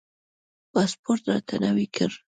پاسپورټ راته نوی کړ.